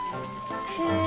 へえ。